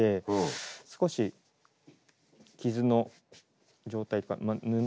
少し傷の状態